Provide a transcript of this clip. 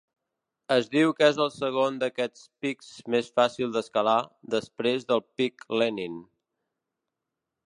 Es diu que és el segon d'aquests pics més fàcil d'escalar, després del Pic Lenin.